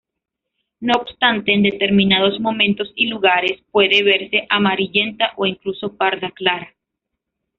No obstante, en determinados momentos y lugares puede verse amarillenta o incluso parda clara.